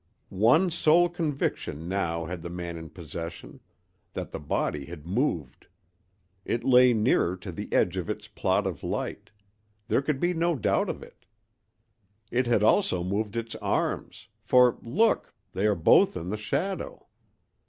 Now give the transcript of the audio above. One sole conviction now had the man in possession: that the body had moved. It lay nearer to the edge of its plot of light—there could be no doubt of it. It had also moved its arms, for, look, they are both in the shadow!